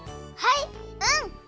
はい！